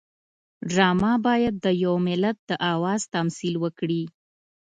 ډرامه باید د یو ملت د آواز تمثیل وکړي